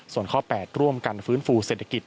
ส่วนข้อ๘ร่วมกันฟื้นฟูเศรษฐกิจ